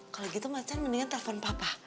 kalau gitu macan mendingan telpon papa